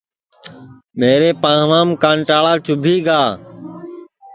میرے پانٚوام کنٹاݪا چُوبھی گا